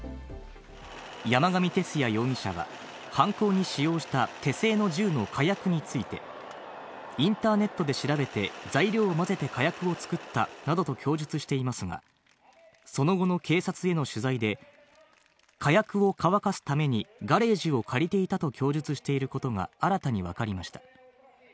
山上徹也容疑者は、犯行に使用した手製の銃の火薬についてインターネットで調べて、材料を混ぜて火薬を作ったなどと供述していますが、その後の警察への取材で、火薬を乾かすためにガレージを借りていたと供述していることが新たに分かりました。